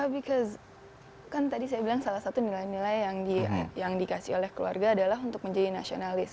because kan tadi saya bilang salah satu nilai nilai yang dikasih oleh keluarga adalah untuk menjadi nasionalis